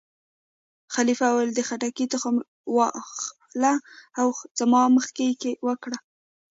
خلیفه وویل: د خټکي تخم وا اخله او زما مخکې یې وکره.